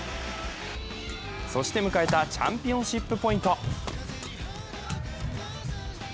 そして迎えたチャンピオンシップポイント。